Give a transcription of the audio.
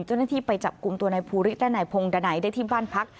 เจ้าหน้าที่ไปจับกลุ่มตัวนายภูริและนายพงดานัยได้ที่บ้านพัก